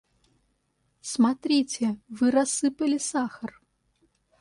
Смотрите, вы рассыпали сахар!